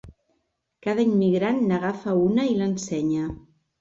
Cada immigrant n'agafa una i l'ensenya.